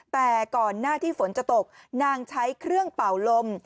แต่ก่อนหน้าที่ฝนจะตกนางใช้เครื่องเป่าลม